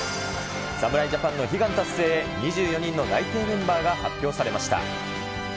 侍ジャパンの悲願達成へ、２４人の内定メンバーが発表されました。